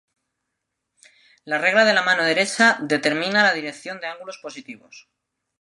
La regla de la mano derecha determina la dirección de ángulos positivos.